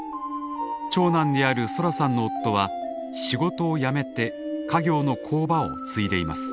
長男であるソラさんの夫は仕事を辞めて家業の工場を継いでいます。